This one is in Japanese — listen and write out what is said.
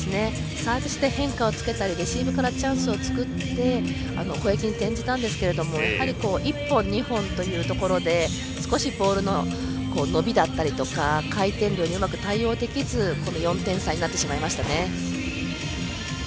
サービスで変化をつけたりレシーブからチャンスを作って攻撃に転じたんですが１本、２本というところで少しボールの伸びだったりとか回転量にうまく対応できず４点差になってしまいましたね。